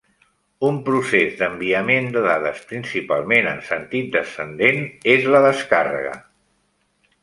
Un procés d'enviament de dades principalment en sentit descendent és la descàrrega.